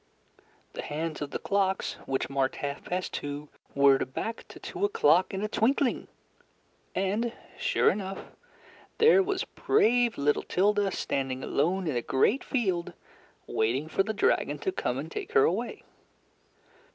The hands of the clocks, which marked half past two, whirred back to two o'clock in a twinkling. And, sure enough, there was brave little Tilda standing alone in a great field waiting for the dragon to come and take her away.